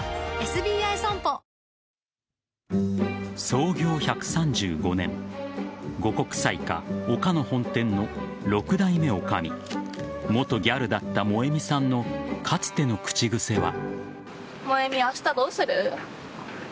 創業１３５年五穀祭菓をかの本店の６代目女将元ギャルだった萌美さんのかつての口癖は。